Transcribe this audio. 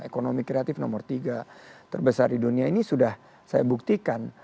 ekonomi kreatif nomor tiga terbesar di dunia ini sudah saya buktikan